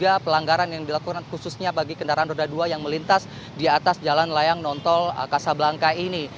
bahwa ada sembilan ratus tiga pelanggaran yang dilakukan khususnya bagi kendaraan roda dua yang melintas di atas jalan layar nonton kasablangka ini